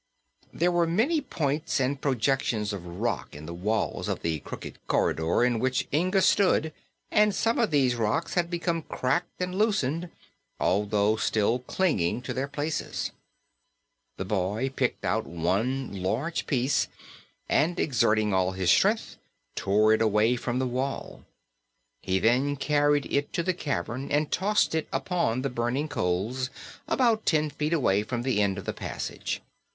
There were many points and projections of rock in the walls of the crooked corridor in which Inga stood and some of these rocks had become cracked and loosened, although still clinging to their places. The boy picked out one large piece, and, exerting all his strength, tore it away from the wall. He then carried it to the cavern and tossed it upon the burning coals, about ten feet away from the end of the passage.